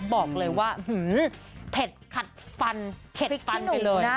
บอกเลยว่าเผ็ดขัดฟันเผ็ดฟันไปเลย